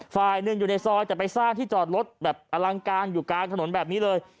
ฝ่ายหนึ่งอยู่ในซอยแต่ไปสร้างที่จอดรถแบบอลังการอยู่กลางถนนแบบนี้เลย